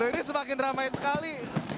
ini semakin ramai sekali